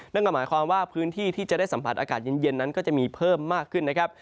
นั่นก็หมายความว่าพื้นที่ที่จะได้สัมผัสอากาศเย็นนั้นก็จะมีเพิ่มมากขึ้นนะครับ